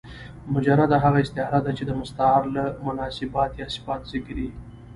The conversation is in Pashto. مجرده هغه استعاره ده، چي د مستعارله مناسبات یا صفات ذکر يي.